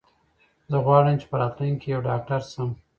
زه غواړم چې په راتلونکي کې یو ډاکټر شم.